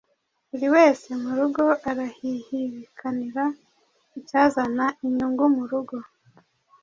Buri wese mu rugo arahihibikanira icyazana inyungu mu rugo.